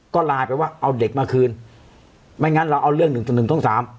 ก็ไลน์ไปว่าเอาเด็กมาคืนไม่งั้นเราเอาเรื่องหนึ่งจุดหนึ่งทุ่มสาม